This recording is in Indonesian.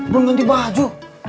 belum ganti baju